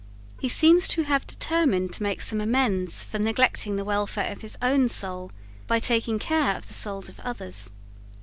He seems to have determined to make some amends for neglecting the welfare of his own soul by taking care of the souls of others.